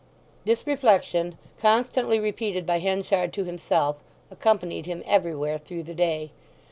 This reflection, constantly repeated by Henchard to himself, accompanied him everywhere through the day.